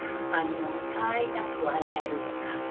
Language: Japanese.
たわいなく笑えるとか。